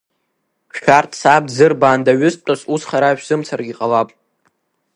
Шәарҭ саб дзырбаандаҩызтәыз, ус хара шәзымцаргьы ҟалап!